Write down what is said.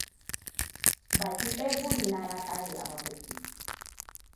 Baki daya burina ya kare a mafarki.